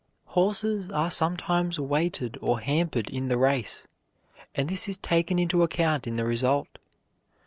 Horses are sometimes weighted or hampered in the race, and this is taken into account in the result.